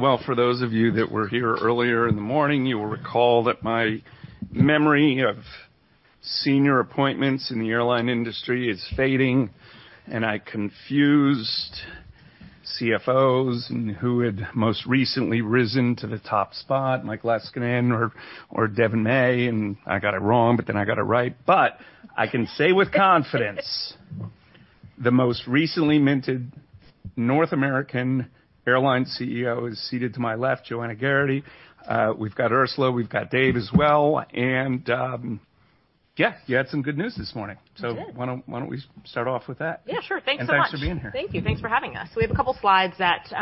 All right. Well, for those of you that were here earlier in the morning, you will recall that my memory of senior appointments in the airline industry is fading, and I confused CFOs and who had most recently risen to the top spot, like Leskinen or, or Devon May, and I got it wrong, but then I got it right. But I can say with confidence the most recently minted North American airline CEO is seated to my left, Joanna Geraghty. We've got Ursula, we've got Dave as well, and, yeah, you had some good news this morning. So why don't why don't we start off with that? Yeah, sure. Thanks so much. Thank you. Thanks for having us. We have a couple of slides that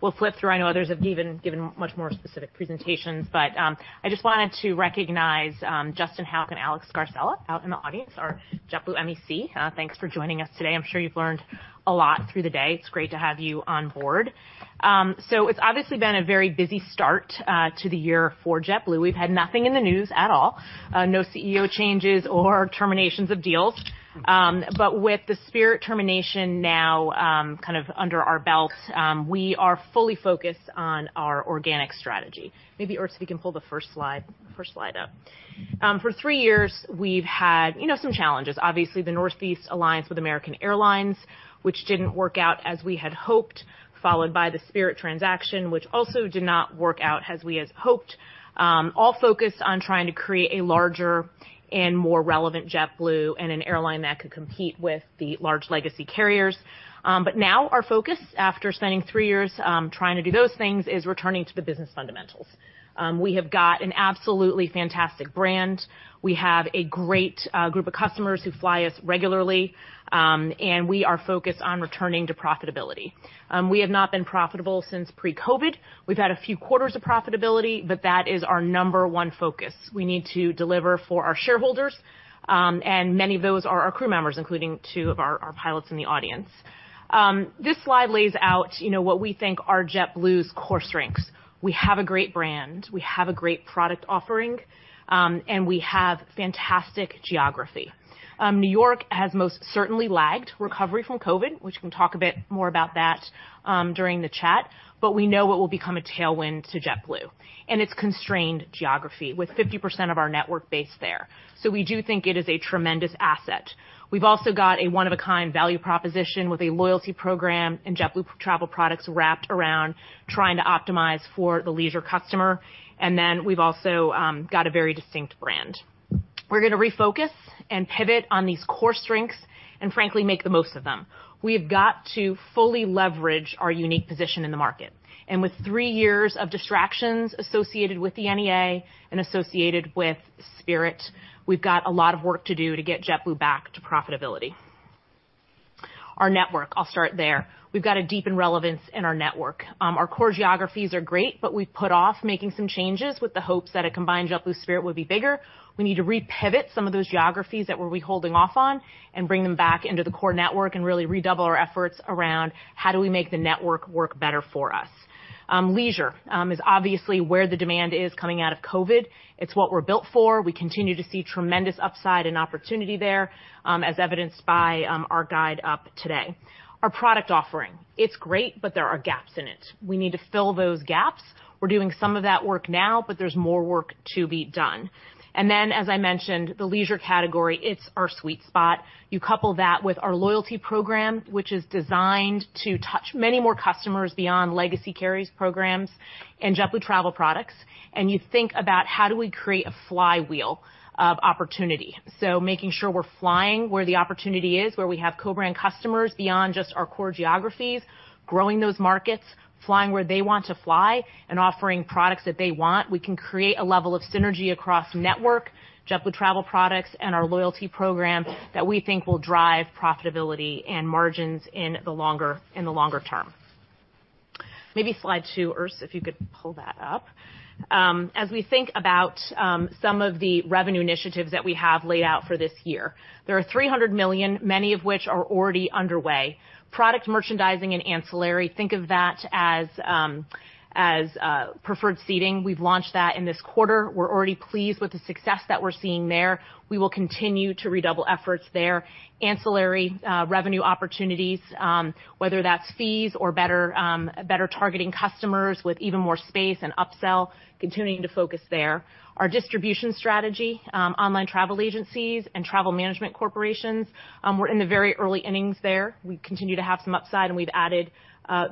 we'll flip through. I know others have given much more specific presentations, but I just wanted to recognize Justin Houk and Alex Scarcella out in the audience, our JetBlue MEC. Thanks for joining us today. I'm sure you've learned a lot through the day. It's great to have you on board. So it's obviously been a very busy start to the year for JetBlue. We've had nothing in the news at all, no CEO changes or terminations of deals. But with the Spirit termination now kind of under our belt, we are fully focused on our organic strategy. Maybe Ursula, you can pull the first slide up. For three years, we've had you know some challenges. Obviously, the Northeast Alliance with American Airlines, which didn't work out as we had hoped, followed by the Spirit transaction, which also did not work out as we had hoped, all focused on trying to create a larger and more relevant JetBlue and an airline that could compete with the large legacy carriers. But now our focus, after spending three years trying to do those things, is returning to the business fundamentals. We have got an absolutely fantastic brand. We have a great group of customers who fly us regularly, and we are focused on returning to profitability. We have not been profitable since pre-COVID. We've had a few quarters of profitability, but that is our number one focus. We need to deliver for our shareholders, and many of those are our crew members, including two of our, our pilots in the audience. This slide lays out, you know, what we think are JetBlue's core strengths. We have a great brand. We have a great product offering, and we have fantastic geography. New York has most certainly lagged recovery from COVID, which we can talk a bit more about that, during the chat, but we know it will become a tailwind to JetBlue and its constrained geography with 50% of our network based there. So we do think it is a tremendous asset. We've also got a one-of-a-kind value proposition with a loyalty program and JetBlue Travel Products wrapped around trying to optimize for the leisure customer. Then we've also got a very distinct brand. We're going to refocus and pivot on these core strengths and, frankly, make the most of them. We have got to fully leverage our unique position in the market. And with three years of distractions associated with the NEA and associated with Spirit, we've got a lot of work to do to get JetBlue back to profitability. Our network, I'll start there. We've got a deep relevance in our network. Our core geographies are great, but we've put off making some changes with the hopes that a combined JetBlue Spirit would be bigger. We need to repivot some of those geographies that we're holding off on and bring them back into the core network and really redouble our efforts around how do we make the network work better for us. Leisure is obviously where the demand is coming out of COVID. It's what we're built for. We continue to see tremendous upside and opportunity there, as evidenced by our guide up today. Our product offering, it's great, but there are gaps in it. We need to fill those gaps. We're doing some of that work now, but there's more work to be done. And then, as I mentioned, the leisure category, it's our sweet spot. You couple that with our loyalty program, which is designed to touch many more customers beyond legacy carriers' programs and JetBlue Travel Products. And you think about how do we create a flywheel of opportunity. So making sure we're flying where the opportunity is, where we have co-brand customers beyond just our core geographies, growing those markets, flying where they want to fly, and offering products that they want, we can create a level of synergy across network, JetBlue Travel Products, and our loyalty program that we think will drive profitability and margins in the longer in the longer term. Maybe slide two, Ursula, if you could pull that up. As we think about some of the revenue initiatives that we have laid out for this year, there are $300 million many of which are already underway. Product merchandising and ancillary, think of that as preferred seating. We've launched that in this quarter. We're already pleased with the success that we're seeing there. We will continue to redouble efforts there. Ancillary revenue opportunities, whether that's fees or better targeting customers with Even More Space and upsell, continuing to focus there. Our distribution strategy, online travel agencies and travel management corporations, we're in the very early innings there. We continue to have some upside, and we've added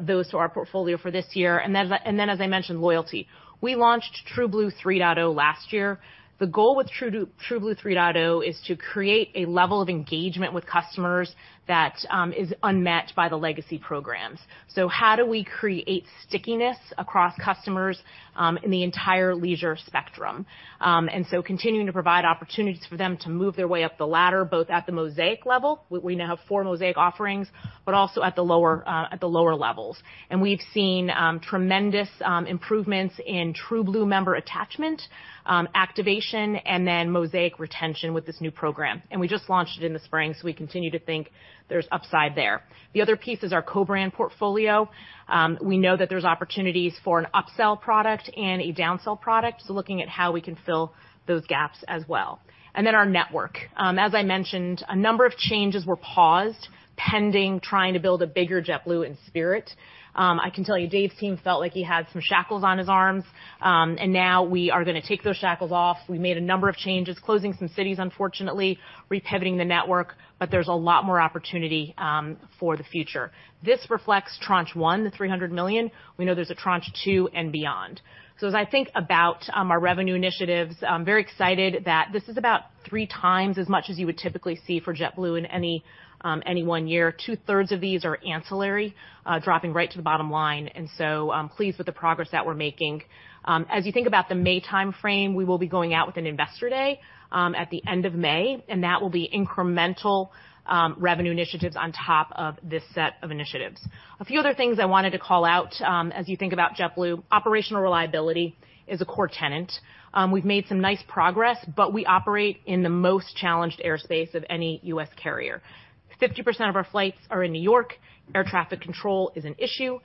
those to our portfolio for this year. And then, as I mentioned, loyalty. We launched TrueBlue 3.0 last year. The goal with TrueBlue 3.0 is to create a level of engagement with customers that is unmet by the legacy programs. So how do we create stickiness across customers, in the entire leisure spectrum? And so continuing to provide opportunities for them to move their way up the ladder, both at the Mosaic level - we now have four Mosaic offerings - but also at the lower, at the lower levels. And we've seen tremendous improvements in TrueBlue member attachment, activation, and then Mosaic retention with this new program. And we just launched it in the spring, so we continue to think there's upside there. The other piece is our co-brand portfolio. We know that there's opportunities for an upsell product and a downsell product, so looking at how we can fill those gaps as well. And then our network. As I mentioned, a number of changes were paused pending trying to build a bigger JetBlue in Spirit. I can tell you Dave's team felt like he had some shackles on his arms, and now we are going to take those shackles off. We made a number of changes, closing some cities, unfortunately, repivoting the network, but there's a lot more opportunity for the future. This reflects tranche one, the $300 million. We know there's a tranche two and beyond. So as I think about our revenue initiatives, I'm very excited that this is about three times as much as you would typically see for JetBlue in any, any one year. Two-thirds of these are ancillary, dropping right to the bottom line. And so, pleased with the progress that we're making. As you think about the May timeframe, we will be going out with an investor day at the end of May, and that will be incremental revenue initiatives on top of this set of initiatives. A few other things I wanted to call out, as you think about JetBlue, operational reliability is a core tenet. We've made some nice progress, but we operate in the most challenged airspace of any U.S. carrier. 50% of our flights are in New York. Air traffic control is an issue.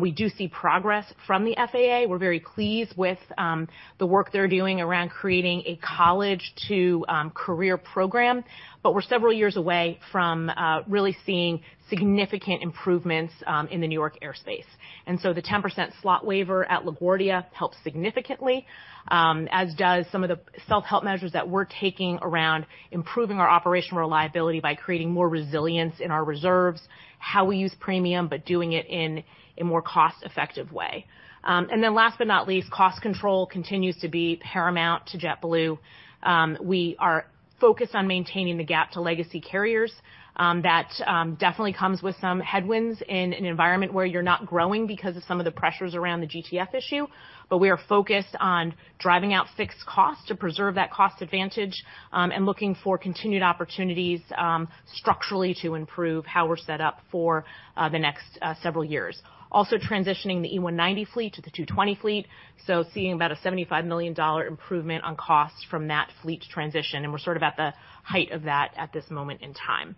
We do see progress from the FAA. We're very pleased with the work they're doing around creating a college to career program, but we're several years away from really seeing significant improvements in the New York airspace. And so the 10% slot waiver at LaGuardia helps significantly, as does some of the self-help measures that we're taking around improving our operational reliability by creating more resilience in our reserves, how we use premium but doing it in a more cost-effective way. And then last but not least, cost control continues to be paramount to JetBlue. We are focused on maintaining the gap to legacy carriers. That definitely comes with some headwinds in an environment where you're not growing because of some of the pressures around the GTF issue, but we are focused on driving out fixed costs to preserve that cost advantage, and looking for continued opportunities, structurally to improve how we're set up for the next several years. Also transitioning the E190 fleet to the A220 fleet, so seeing about a $75 million improvement on costs from that fleet transition. And we're sort of at the height of that at this moment in time.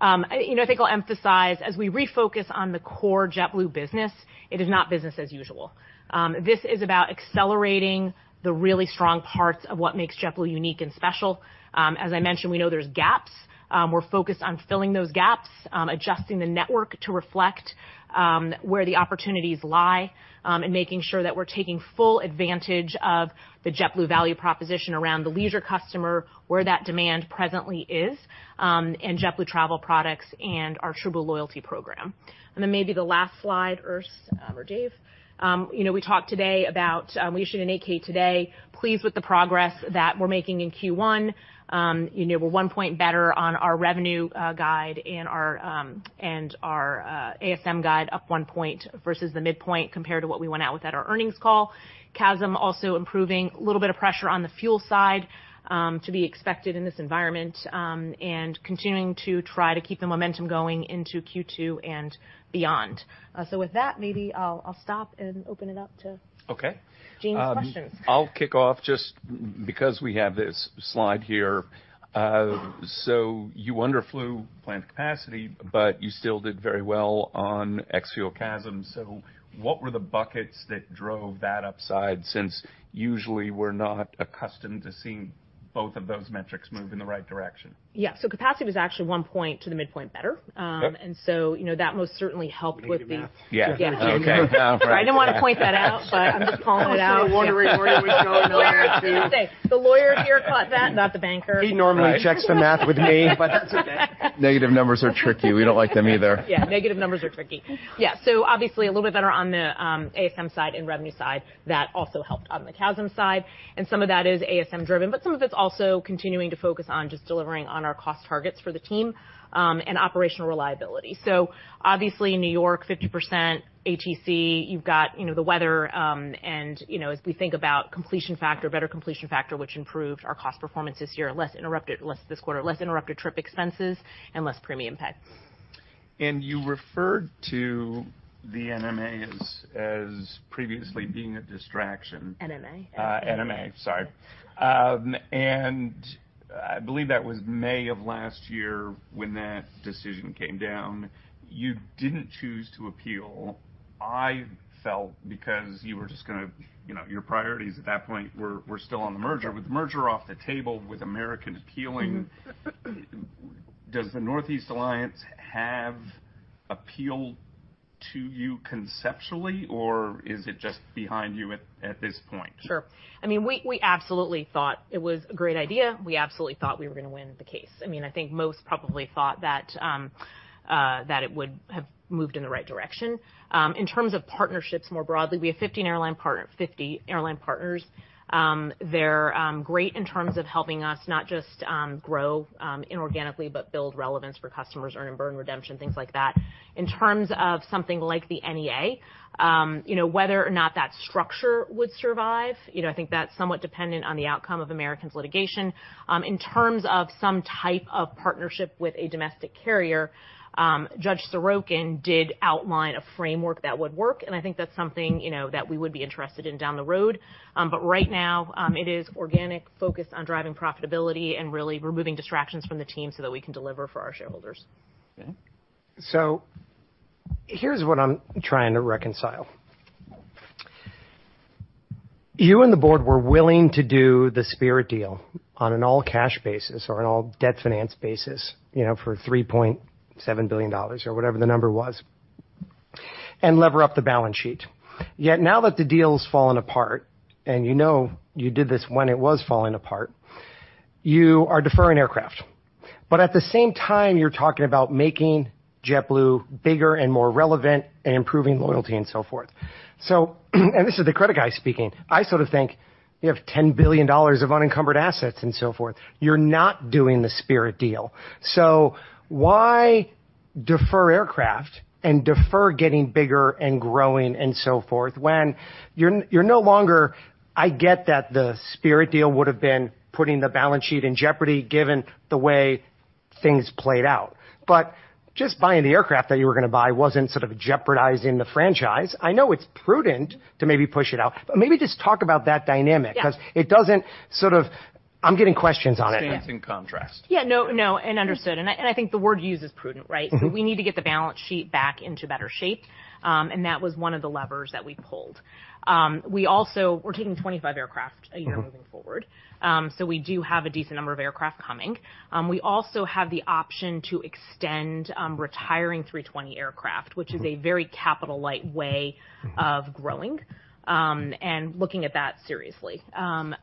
You know, I think I'll emphasize, as we refocus on the core JetBlue business, it is not business as usual. This is about accelerating the really strong parts of what makes JetBlue unique and special. As I mentioned, we know there's gaps. We're focused on filling those gaps, adjusting the network to reflect where the opportunities lie, and making sure that we're taking full advantage of the JetBlue value proposition around the leisure customer, where that demand presently is, and JetBlue Travel Products and our TrueBlue loyalty program. And then maybe the last slide, Ursula, or Dave, you know, we talked today about, we issued an 8-K today. Pleased with the progress that we're making in Q1. You know, we're one point better on our revenue guide and our ASM guide up one point versus the midpoint compared to what we went out with at our earnings call. CASM also improving, a little bit of pressure on the fuel side, to be expected in this environment, and continuing to try to keep the momentum going into Q2 and beyond. With that, maybe I'll, I'll stop and open it up to. Okay. Jamie's questions. I'll kick off just because we have this slide here. So you underflew planned capacity, but you still did very well on ex-fuel CASM. So what were the buckets that drove that upside since usually we're not accustomed to seeing both of those metrics move in the right direction? Yeah. So capacity was actually 1 point to the midpoint better. Okay. And so, you know, that most certainly helped with the. Negative math. Yeah. Yeah. Okay. All right. I didn't want to point that out, but I'm just calling it out. I'm so wondering, where did we go in the last year too? The lawyer here caught that, not the banker. He normally checks the math with me, but that's okay. Negative numbers are tricky. We don't like them either. Yeah. Negative numbers are tricky. Yeah. So obviously, a little bit better on the, ASM side and revenue side. That also helped on the CASM side. And some of that is ASM-driven, but some of it's also continuing to focus on just delivering on our cost targets for the team, and operational reliability. So obviously, New York, 50%, ATC, you've got, you know, the weather, and, you know, as we think about completion factor, better completion factor, which improved our cost performance this year, less interrupted - less this quarter - less interrupted trip expenses and less premium pay. You referred to the NEA as previously being a distraction? NMA. NEA. Sorry, and I believe that was May of last year when that decision came down. You didn't choose to appeal, I felt, because you were just going to, you know, your priorities at that point were still on the merger. With the merger off the table, with American appealing, does the Northeast Alliance have appealed to you conceptually, or is it just behind you at this point? Sure. I mean, we, we absolutely thought it was a great idea. We absolutely thought we were going to win the case. I mean, I think most probably thought that, that it would have moved in the right direction. In terms of partnerships more broadly, we have 50 airline partners, 50 airline partners. They're great in terms of helping us not just grow inorganically, but build relevance for customers, earn and burn, redemption, things like that. In terms of something like the NEA, you know, whether or not that structure would survive, you know, I think that's somewhat dependent on the outcome of American's litigation. In terms of some type of partnership with a domestic carrier, Judge Sorokin did outline a framework that would work, and I think that's something, you know, that we would be interested in down the road. Right now, it is organic, focused on driving profitability and really removing distractions from the team so that we can deliver for our shareholders. Okay. So here's what I'm trying to reconcile. You and the board were willing to do the Spirit deal on an all-cash basis or an all-debt finance basis, you know, for $3.7 billion or whatever the number was, and lever up the balance sheet. Yet now that the deal's fallen apart, and you know you did this when it was falling apart, you are deferring aircraft. But at the same time, you're talking about making JetBlue bigger and more relevant and improving loyalty and so forth. So-and this is the credit guy speaking-I sort of think you have $10 billion of unencumbered assets and so forth. You're not doing the Spirit deal. So why defer aircraft and defer getting bigger and growing and so forth when you're no longer-I get that the Spirit deal would have been putting the balance sheet in jeopardy given the way things played out. But just buying the aircraft that you were going to buy wasn't sort of jeopardizing the franchise. I know it's prudent to maybe push it out, but maybe just talk about that dynamic because it doesn't sort of. I'm getting questions on it. Stands in contrast. Yeah. No, no. And understood. And I think the word you used is prudent, right? So we need to get the balance sheet back into better shape, and that was one of the levers that we pulled. We also—we're taking 25 aircraft a year moving forward, so we do have a decent number of aircraft coming. We also have the option to extend, retiring 320 aircraft, which is a very capital-light way of growing, and looking at that seriously.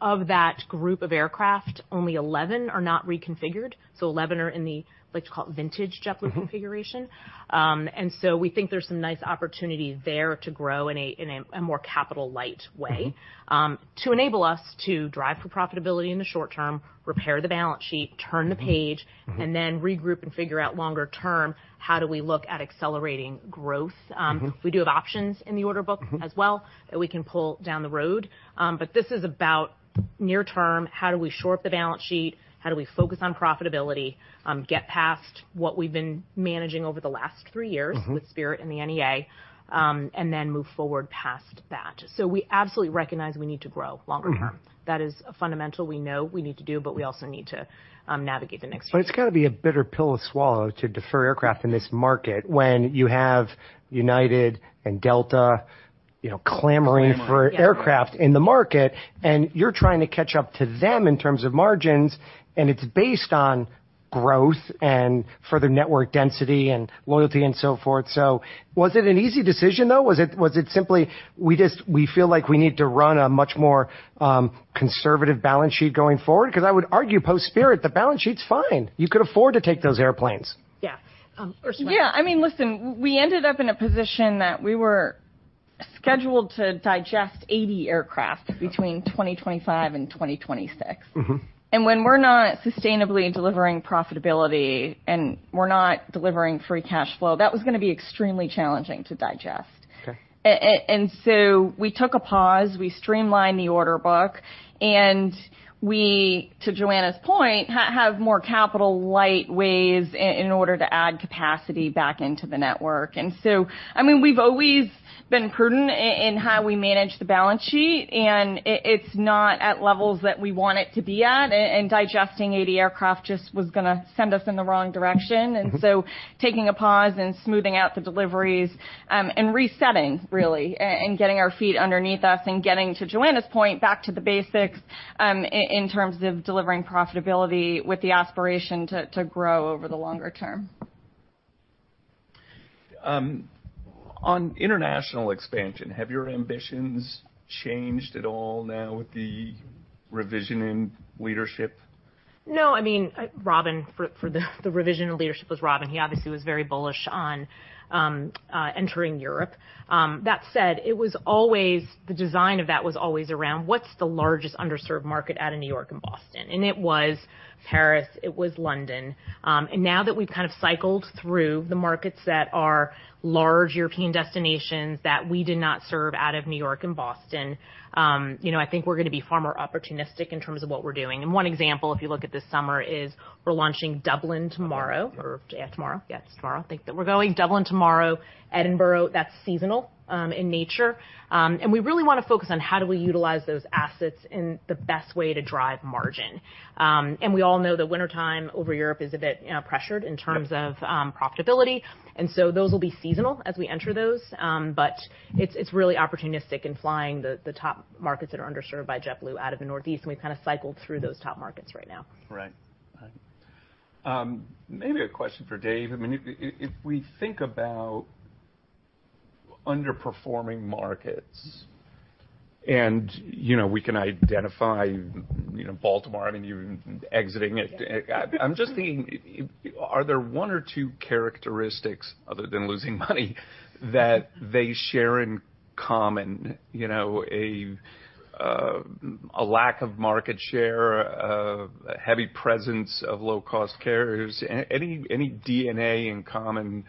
Of that group of aircraft, only 11 are not reconfigured, so 11 are in the, like you call it, vintage JetBlue configuration. And so we think there's some nice opportunity there to grow in a more capital-light way, to enable us to drive for profitability in the short term, repair the balance sheet, turn the page, and then regroup and figure out longer-term how do we look at accelerating growth. We do have options in the order book as well that we can pull down the road. But this is about near-term: how do we shore up the balance sheet? How do we focus on profitability? Get past what we've been managing over the last three years with Spirit and the NEA, and then move forward past that. So we absolutely recognize we need to grow longer term. That is fundamental. We know we need to do, but we also need to, navigate the next few. But it's got to be a bitter pill to swallow to defer aircraft in this market when you have United and Delta, you know, clamoring for aircraft in the market, and you're trying to catch up to them in terms of margins, and it's based on growth and further network density and loyalty and so forth. So was it an easy decision, though? Was it—was it simply we just—we feel like we need to run a much more conservative balance sheet going forward? Because I would argue, post-Spirit, the balance sheet's fine. You could afford to take those airplanes. Yeah. Ursula. Yeah. I mean, listen, we ended up in a position that we were scheduled to digest 80 aircraft between 2025 and 2026. When we're not sustainably delivering profitability and we're not delivering free cash flow, that was going to be extremely challenging to digest. Okay. And so we took a pause. We streamlined the order book, and we, to Joanna's point, have more capital-light ways in order to add capacity back into the network. And so, I mean, we've always been prudent in how we manage the balance sheet, and it's not at levels that we want it to be at. And digesting 80 aircraft just was going to send us in the wrong direction. And so taking a pause and smoothing out the deliveries, and resetting, really, and getting our feet underneath us and getting, to Joanna's point, back to the basics, in terms of delivering profitability with the aspiration to grow over the longer term. On international expansion, have your ambitions changed at all now with the revision in leadership? No. I mean, Robin—for the revision in leadership was Robin. He obviously was very bullish on entering Europe. That said, it was always the design of that was always around what's the largest underserved market out of New York and Boston? And it was Paris. It was London. And now that we've kind of cycled through the markets that are large European destinations that we did not serve out of New York and Boston, you know, I think we're going to be far more opportunistic in terms of what we're doing. And one example, if you look at this summer, is we're launching Dublin tomorrow or tomorrow. Yeah. It's tomorrow. I think that we're going Dublin tomorrow, Edinburgh. That's seasonal in nature. And we really want to focus on how do we utilize those assets in the best way to drive margin. And we all know that wintertime over Europe is a bit, you know, pressured in terms of profitability. And so those will be seasonal as we enter those, but it's really opportunistic in flying the top markets that are underserved by JetBlue out of the Northeast. And we've kind of cycled through those top markets right now. Right. All right. Maybe a question for Dave. I mean, if we think about underperforming markets and, you know, we can identify, you know, Baltimore, I mean, you're exiting it. I'm just thinking, are there one or two characteristics, other than losing money, that they share in common, you know, a lack of market share, a heavy presence of low-cost carriers? Any DNA in common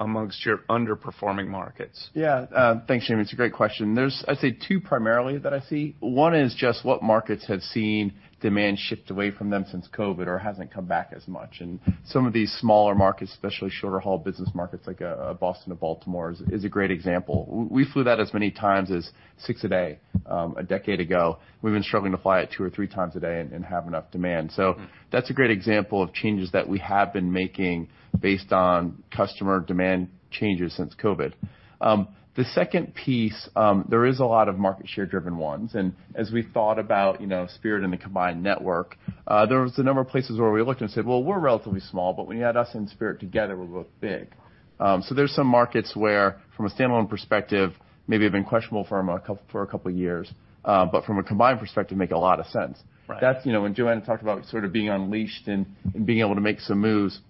amongst your underperforming markets? Yeah. Thanks, Jamie. It's a great question. There's, I'd say, two primarily that I see. One is just what markets have seen demand shift away from them since COVID or hasn't come back as much. And some of these smaller markets, especially shorter-haul business markets like a Boston, a Baltimore, is a great example. We flew that as many times as six a day, a decade ago. We've been struggling to fly it two or three times a day and have enough demand. So that's a great example of changes that we have been making based on customer demand changes since COVID. The second piece, there is a lot of market share-driven ones. As we thought about, you know, Spirit and the combined network, there was a number of places where we looked and said, "Well, we're relatively small, but when you had us and Spirit together, we're both big." So there's some markets where, from a standalone perspective, maybe have been questionable for a couple of years, but from a combined perspective, make a lot of sense. Right. That's, you know, when Joanna talked about sort of being unleashed and being able to make some moves.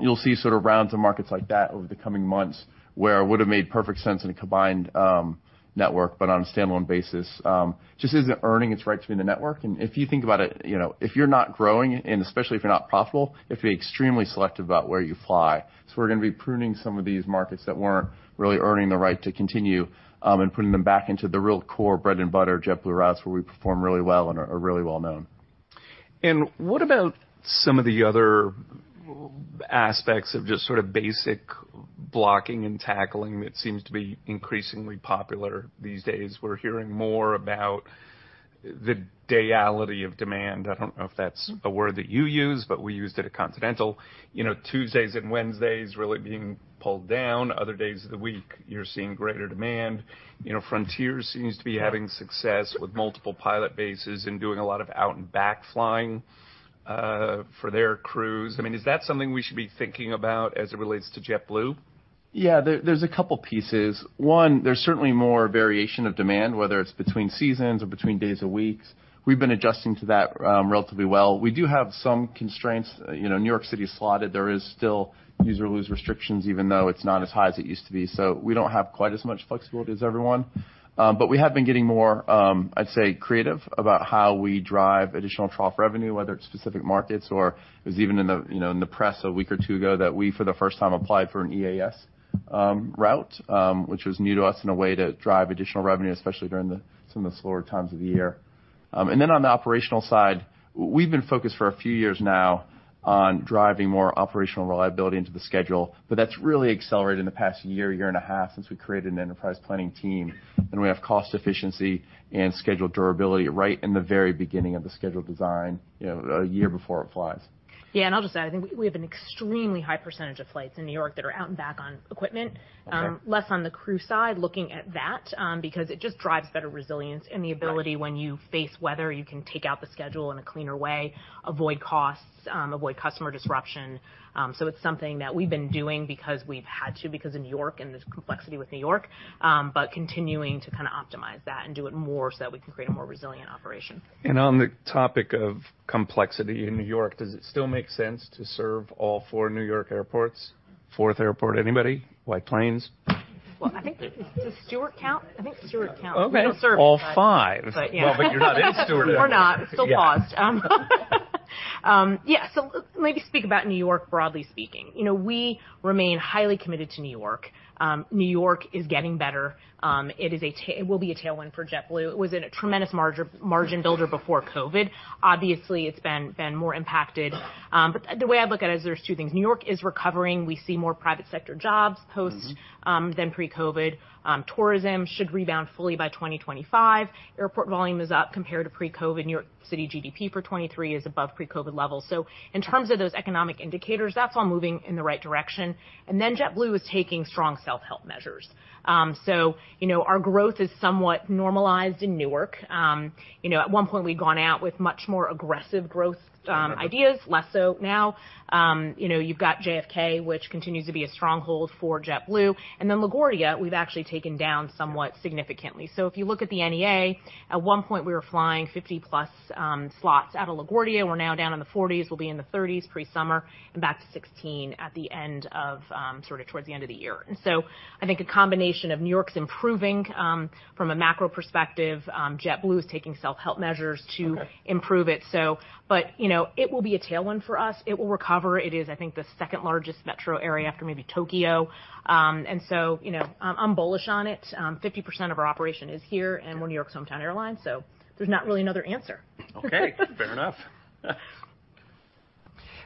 You'll see sort of rounds of markets like that over the coming months where it would have made perfect sense in a combined network, but on a standalone basis, just isn't earning its right to be in the network. And if you think about it, you know, if you're not growing and especially if you're not profitable, if you're extremely selective about where you fly. So we're going to be pruning some of these markets that weren't really earning the right to continue, and putting them back into the real core bread and butter JetBlue routes, where we perform really well and are really well known. What about some of the other aspects of just sort of basic blocking and tackling that seems to be increasingly popular these days? We're hearing more about the reality of demand. I don't know if that's a word that you use, but we used it at Continental. You know, Tuesdays and Wednesdays really being pulled down. Other days of the week, you're seeing greater demand. You know, Frontier seems to be having success with multiple pilot bases and doing a lot of out-and-back flying, for their crews. I mean, is that something we should be thinking about as it relates to JetBlue? Yeah. There, there's a couple pieces. One, there's certainly more variation of demand, whether it's between seasons or between days a week. We've been adjusting to that, relatively well. We do have some constraints. You know, New York City is slotted. There is still use-or-lose restrictions, even though it's not as high as it used to be. So we don't have quite as much flexibility as everyone. But we have been getting more, I'd say, creative about how we drive additional trough revenue, whether it's specific markets or it was even in the, you know, in the press a week or two ago that we, for the first time, applied for an EAS route, which was new to us in a way to drive additional revenue, especially during some of the slower times of the year. And then on the operational side, we've been focused for a few years now on driving more operational reliability into the schedule, but that's really accelerated in the past year, year and a half since we created an enterprise planning team. We have cost efficiency and schedule durability right in the very beginning of the schedule design, you know, a year before it flies. Yeah. And I'll just add, I think we have an extremely high percentage of flights in New York that are out-and-back on equipment, less on the crew side looking at that, because it just drives better resilience and the ability when you face weather, you can take out the schedule in a cleaner way, avoid costs, avoid customer disruption. So it's something that we've been doing because we've had to, because of New York and the complexity with New York, but continuing to kind of optimize that and do it more so that we can create a more resilient operation. On the topic of complexity in New York, does it still make sense to serve all four New York airports? Fourth airport, anybody? White Plains? Well, I think Stewart. Okay. All five. But yeah. Well, but you're not in Stewart anyways. We're not. It's still paused. Yeah. So let me speak about New York, broadly speaking. You know, we remain highly committed to New York. New York is getting better. It is a tailwind; it will be a tailwind for JetBlue. It was a tremendous margin builder before COVID. Obviously, it's been more impacted. But the way I look at it is there's two things. New York is recovering. We see more private sector jobs post- than pre-COVID. Tourism should rebound fully by 2025. Airport volume is up compared to pre-COVID. New York City GDP for 2023 is above pre-COVID levels. So in terms of those economic indicators, that's all moving in the right direction. And then JetBlue is taking strong self-help measures. So, you know, our growth is somewhat normalized in Newark. You know, at one point, we'd gone out with much more aggressive growth ideas, less so now. You know, you've got JFK, which continues to be a stronghold for JetBlue. And then LaGuardia, we've actually taken down somewhat significantly. So if you look at the NEA, at one point, we were flying 50+ slots out of LaGuardia. We're now down in the 40s. We'll be in the 30s pre-summer and back to 16 at the end of, sort of towards the end of the year. And so I think a combination of New York's improving, from a macro perspective, JetBlue is taking self-help measures to improve it. So but, you know, it will be a tailwind for us. It will recover. It is, I think, the second largest metro area after maybe Tokyo. And so, you know, I'm, I'm bullish on it. 50% of our operation is here and we're New York's hometown airline, so there's not really another answer. Okay. Fair enough.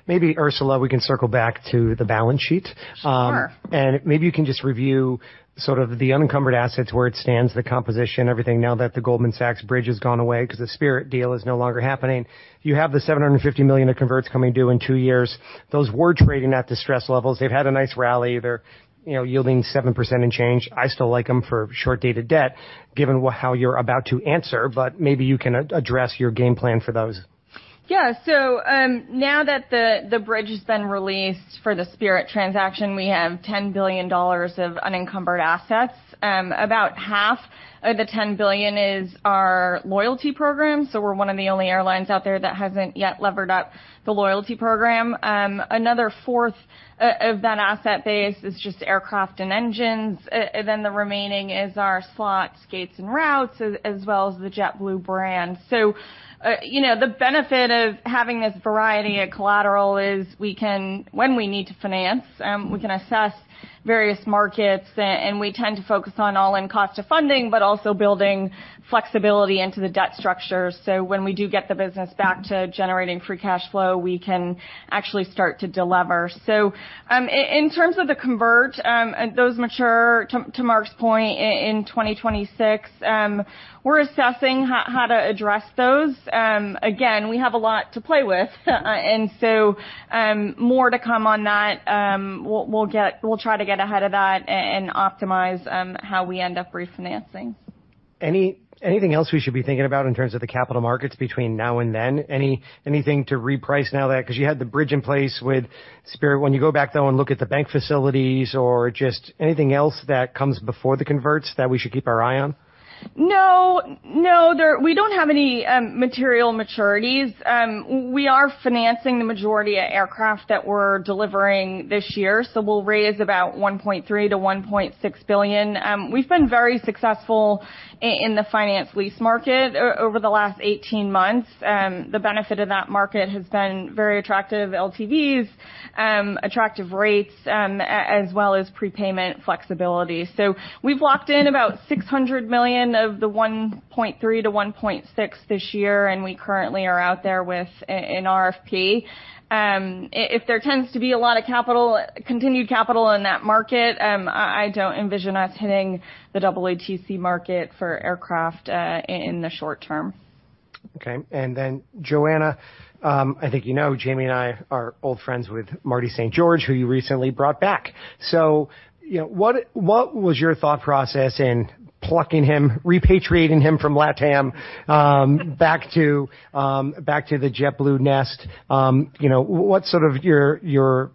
Maybe, Ursula, we can circle back to the balance sheet. Sure. Maybe you can just review sort of the unencumbered assets, where it stands, the composition, everything. Now that the Goldman Sachs bridge has gone away because the Spirit deal is no longer happening, you have the $750 million of converts coming due in two years. Those were trading at distress levels. They've had a nice rally. They're, you know, yielding 7% and change. I still like them for short-dated debt, given how you're about to answer, but maybe you can address your game plan for those. Yeah. So, now that the bridge has been released for the Spirit transaction, we have $10 billion of unencumbered assets. About $5 billion of the $10 billion is our loyalty program. So we're one of the only airlines out there that hasn't yet levered up the loyalty program. Another $2.5 billion of that asset base is just aircraft and engines. And then the remaining is our slots, gates, and routes, as well as the JetBlue brand. So, you know, the benefit of having this variety of collateral is we can, when we need to finance, we can assess various markets. And we tend to focus on all-in cost of funding, but also building flexibility into the debt structure. So when we do get the business back to generating free cash flow, we can actually start to deliver. So, in terms of the convert, those mature to Mark's point, in 2026, we're assessing how to address those. Again, we have a lot to play with. And so, more to come on that. We'll try to get ahead of that and optimize how we end up refinancing. Anything else we should be thinking about in terms of the capital markets between now and then? Anything to reprice now that because you had the bridge in place with Spirit. When you go back, though, and look at the bank facilities or just anything else that comes before the converts that we should keep our eye on? No. No, there we don't have any material maturities. We are financing the majority of aircraft that we're delivering this year. So we'll raise about $1.3 billion-$1.6 billion. We've been very successful in the finance lease market over the last 18 months. The benefit of that market has been very attractive LTVs, attractive rates, as well as prepayment flexibility. So we've locked in about $600 million of the $1.3 billion-$1.6 billion this year, and we currently are out there with an RFP. If there tends to be a lot of continued capital in that market, I don't envision us hitting the EETC market for aircraft in the short term. Okay. Then, Joanna, I think you know Jamie and I are old friends with Marty St. George, who you recently brought back. So, you know, what, what was your thought process in plucking him, repatriating him from LATAM, back to, back to the JetBlue Nest? You know, what's sort of your, your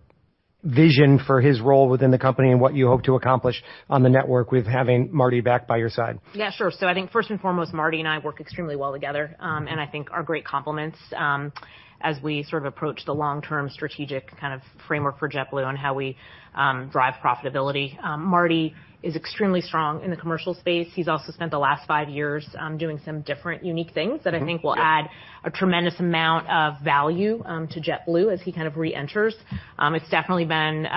vision for his role within the company and what you hope to accomplish on the network with having Marty back by your side? Yeah. Sure. So I think first and foremost, Marty and I work extremely well together, and I think are great complements, as we sort of approach the long-term strategic kind of framework for JetBlue and how we drive profitability. Marty is extremely strong in the commercial space. He's also spent the last five years doing some different, unique things that I think will add a tremendous amount of value to JetBlue as he kind of reenters. It's definitely been,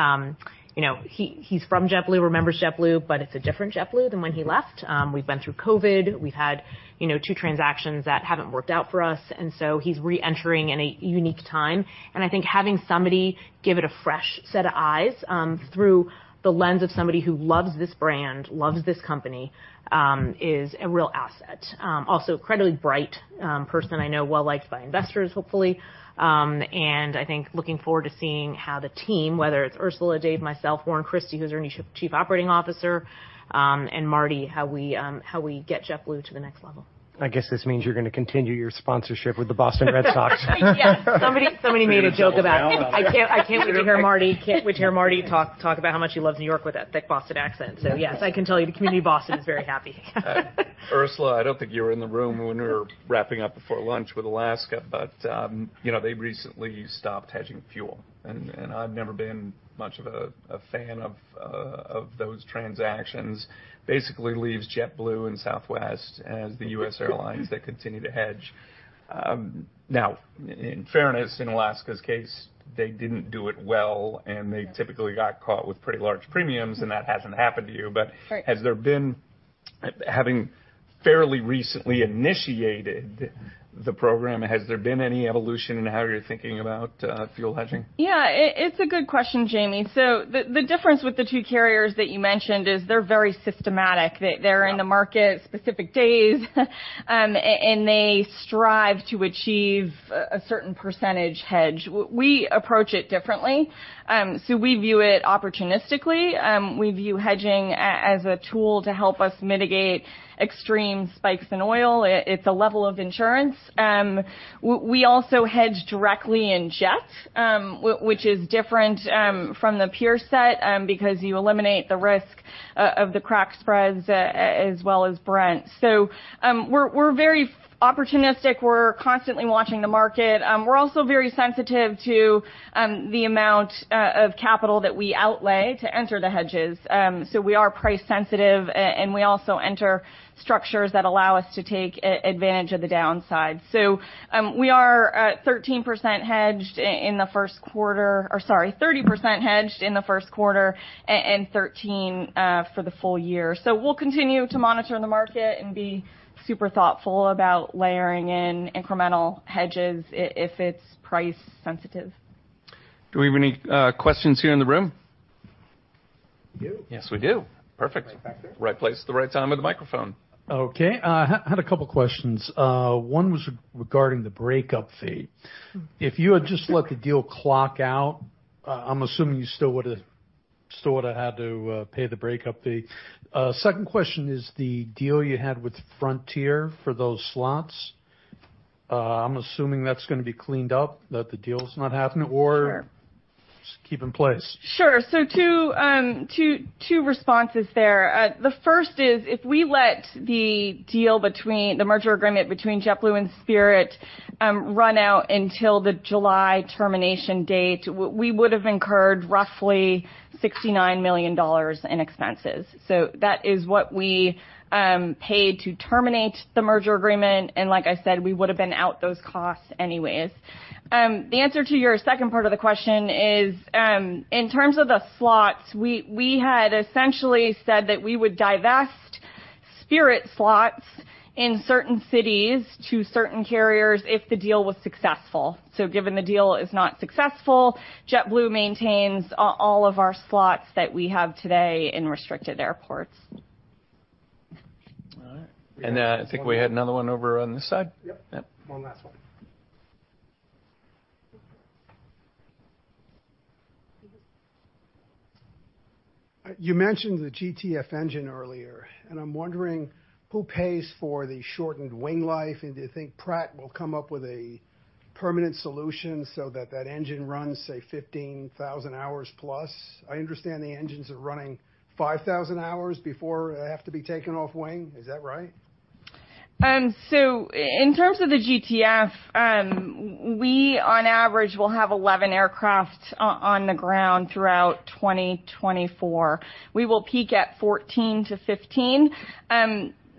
you know, he, he's from JetBlue, remembers JetBlue, but it's a different JetBlue than when he left. We've been through COVID. We've had, you know, two transactions that haven't worked out for us. And so he's reentering in a unique time. And I think having somebody give it a fresh set of eyes, through the lens of somebody who loves this brand, loves this company, is a real asset. also a credibly bright person I know, well-liked by investors, hopefully. And I think, looking forward to seeing how the team, whether it's Ursula, Dave, myself, Warren Christie, who's our new Chief Operating Officer, and Marty, how we, how we get JetBlue to the next level. I guess this means you're going to continue your sponsorship with the Boston Red Sox. Yes. Somebody made a joke about it. I can't wait to hear Marty talk about how much he loves New York with that thick Boston accent. So yes, I can tell you the community of Boston is very happy. Ursula, I don't think you were in the room when we were wrapping up before lunch with Alaska, but, you know, they recently stopped hedging fuel. And, and I've never been much of a, a fan of, of those transactions. Basically leaves JetBlue and Southwest as the U.S. airlines that continue to hedge. Now, in fairness, in Alaska's case, they didn't do it well, and they typically got caught with pretty large premiums, and that hasn't happened to you. But has there been having fairly recently initiated the program, has there been any evolution in how you're thinking about fuel hedging? Yeah. It's a good question, Jamie. So the difference with the two carriers that you mentioned is they're very systematic. They're in the market specific days, and they strive to achieve a certain percentage hedge. We approach it differently. So we view it opportunistically. We view hedging as a tool to help us mitigate extreme spikes in oil. It's a level of insurance. We also hedge directly in jets, which is different from the peer set, because you eliminate the risk of the crack spreads, as well as Brent. So, we're very opportunistic. We're constantly watching the market. We're also very sensitive to the amount of capital that we outlay to enter the hedges. So we are price-sensitive, and we also enter structures that allow us to take advantage of the downside. So, we are 13% hedged in the first quarter or sorry, 30% hedged in the first quarter and 13% for the full year. So we'll continue to monitor the market and be super thoughtful about layering in incremental hedges if it's price-sensitive. Do we have any questions here in the room? We do. Yes, we do. Perfect. Right back there. Right place, the right time with the microphone. Okay. Had a couple questions. One was regarding the breakup fee. If you had just let the deal clock out, I'm assuming you still would have had to pay the breakup fee. Second question is the deal you had with Frontier for those slots. I'm assuming that's going to be cleaned up, that the deal's not happening, or. Just keep in place. Sure. So two responses there. The first is if we let the deal between the merger agreement between JetBlue and Spirit run out until the July termination date, we would have incurred roughly $69 million in expenses. So that is what we paid to terminate the merger agreement. And like I said, we would have been out those costs anyways. The answer to your second part of the question is, in terms of the slots, we had essentially said that we would divest Spirit slots in certain cities to certain carriers if the deal was successful. So given the deal is not successful, JetBlue maintains all of our slots that we have today in restricted airports. All right. I think we had another one over on this side. Yep. Yep. One last one. You mentioned the GTF engine earlier, and I'm wondering who pays for the shortened wing life, and do you think Pratt will come up with a permanent solution so that that engine runs, say, 15,000 hours plus? I understand the engines are running 5,000 hours before they have to be taken off wing. Is that right? So in terms of the GTF, we, on average, will have 11 aircraft on the ground throughout 2024. We will peak at 14-15.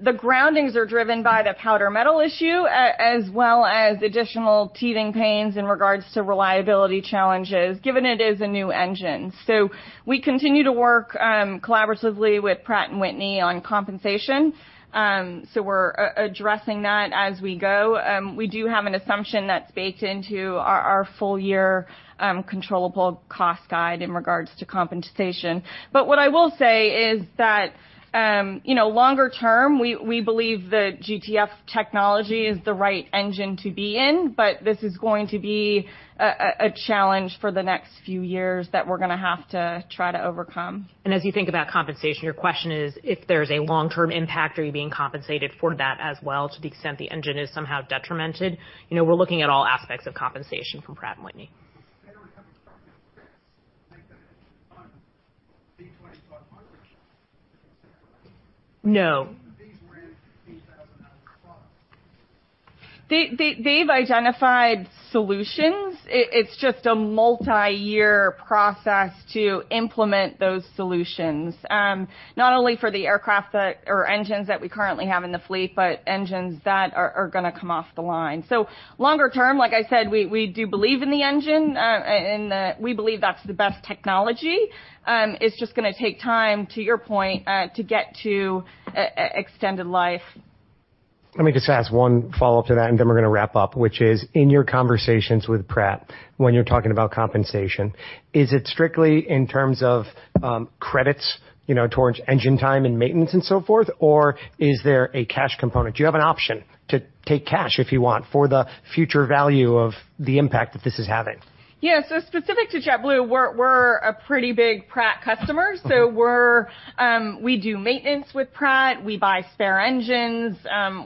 The groundings are driven by the powder-metal issue, as well as additional teething pains in regards to reliability challenges, given it is a new engine. So we continue to work collaboratively with Pratt & Whitney on compensation. So we're addressing that as we go. We do have an assumption that's baked into our full-year controllable cost guide in regards to compensation. But what I will say is that, you know, longer term, we believe the GTF technology is the right engine to be in, but this is going to be a challenge for the next few years that we're going to have to try to overcome. As you think about compensation, your question is if there's a long-term impact, are you being compensated for that as well to the extent the engine is somehow detrimented? You know, we're looking at all aspects of compensation from Pratt & Whitney. No. These ran 15,000+ hours. They've identified solutions. It's just a multi-year process to implement those solutions, not only for the aircraft or engines that we currently have in the fleet, but engines that are going to come off the line. So longer term, like I said, we do believe in the engine, and that we believe that's the best technology. It's just going to take time, to your point, to get to an extended life. Let me just ask one follow-up to that, and then we're going to wrap up, which is, in your conversations with Pratt, when you're talking about compensation, is it strictly in terms of, credits, you know, towards engine time and maintenance and so forth, or is there a cash component? Do you have an option to take cash, if you want, for the future value of the impact that this is having? Yeah. So specific to JetBlue, we're a pretty big Pratt customer. So we do maintenance with Pratt. We buy spare engines.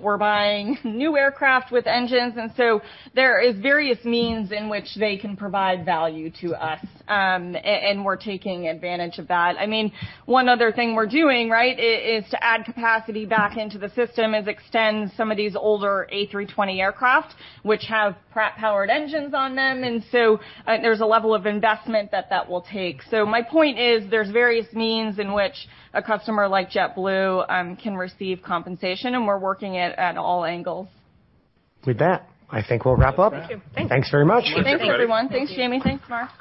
We're buying new aircraft with engines. And so there is various means in which they can provide value to us. And we're taking advantage of that. I mean, one other thing we're doing, right, is to add capacity back into the system is extend some of these older A320 aircraft, which have Pratt-powered engines on them. And so, there's a level of investment that that will take. So my point is there's various means in which a customer like JetBlue can receive compensation, and we're working at all angles. With that, I think we'll wrap up. Thank you. Thanks. Thanks very much. Thanks, everyone. Thanks, Jamie. Thanks, Mark.